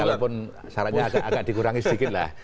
ya kalaupun syaratnya agak dikurangi sedikit lah